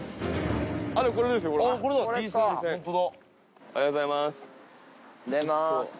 おはようございます。